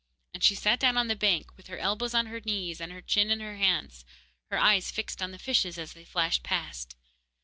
And she sat down on the bank, with her elbows on her knees and her chin in her hands, her eyes fixed on the fishes as they flashed past.